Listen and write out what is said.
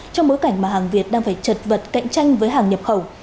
trong bối cảnh mà hàng việt đang phải chật vật cạnh tranh với hàng nhập khẩu